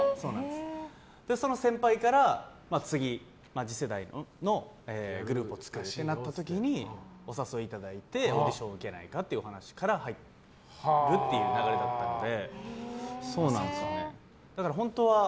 その先輩から次次世代のグループを作るとなった時にお誘いいただいてオーディションを受けないかというお話から入ったという流れだったので。